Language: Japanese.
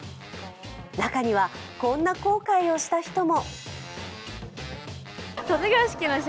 中には、こんな後悔をした人も。